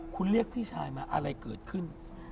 คุณเรียกพี่ชายมาอะไรเกิดขึ้น